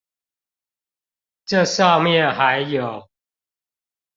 這上面還有